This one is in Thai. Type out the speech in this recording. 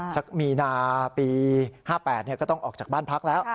สักมีนาปี๕๘ก็ต้องออกจากบ้านพักแล้ว